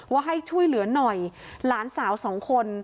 ว่าให้ช่วยเหลือหน่อยหลานสาวสองคน